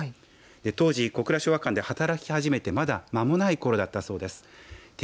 当時小倉昭和館で働き始めてまだまもないころだったそうです。